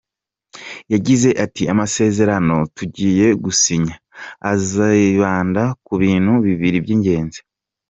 Yagize ati “Amasezerano tugiye gusinya azibanda ku bintu bibiri by’ingenzi.